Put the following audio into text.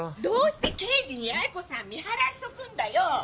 どうして刑事に八重子さん見張らせておくんだよ！